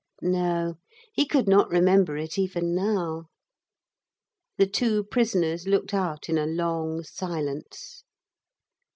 No, he could not remember it even now. The two prisoners looked out in a long silence.